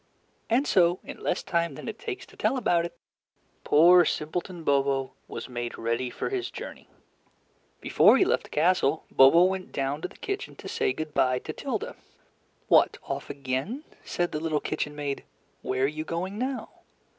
And so, in less time than it takes to tell about it, poor simpleton Bobo was made ready for his journey. Before he left the castle, Bobo went down to the kitchen to say good bye to Tilda. "What, off again?" said the little kitchen maid. "Where are you going now?"